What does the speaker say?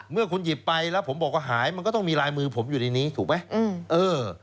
เมื่อคุณหยิบไปแล้วผมบอกว่าหายมันก็ต้องมีลายมือผมอยู่ในนี้ถูกไหม